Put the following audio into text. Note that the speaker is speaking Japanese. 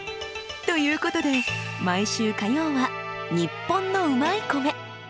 ということで毎週火曜は「ニッポンのうまい米」。